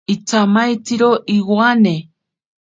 Itsamaitziro iwane.